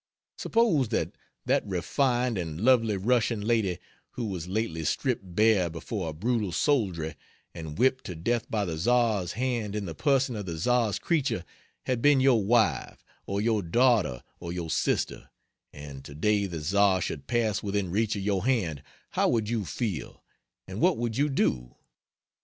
Suppose that that refined and lovely Russian lady who was lately stripped bare before a brutal soldiery and whipped to death by the Czar's hand in the person of the Czar's creature had been your wife, or your daughter or your sister, and to day the Czar should pass within reach of your hand, how would you feel and what would you do?